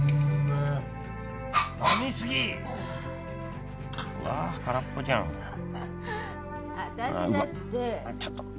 うわっちょっと